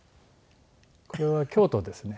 これは京都ですね。